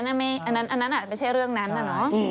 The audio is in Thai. อันนั้นไม่ใช่เรื่องนั้นน่ะเนอะ